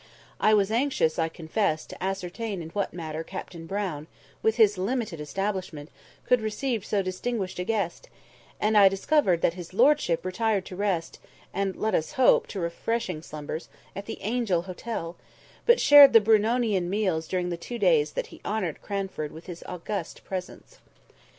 I was anxious, I confess, to ascertain in what manner Captain Brown, with his limited establishment, could receive so distinguished a guest; and I discovered that his lordship retired to rest, and, let us hope, to refreshing slumbers, at the Angel Hotel; but shared the Brunonian meals during the two days that he honoured Cranford with his august presence.